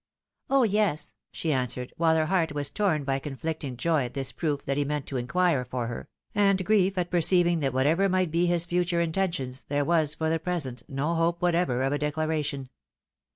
"" Oh ! yes," she answered, while her heart was torn by conflicting joy at this proof that he meant to inquire for her, and grief at perceiving that whatever might be his future intentions, there was for the present no hope whatever of a declaration.